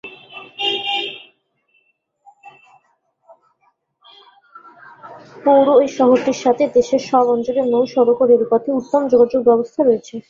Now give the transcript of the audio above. পৌর এই শহরটির সাথে দেশের সব অঞ্চলের নৌ-সড়ক ও রেলপথে উত্তম যোগাযোগ ব্যবস্থা রয়েছে।